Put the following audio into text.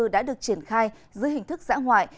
đã được triển khai dưới hình thức giã hoại